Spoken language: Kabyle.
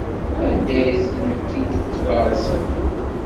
Anda ay tent-id-tfarseḍ?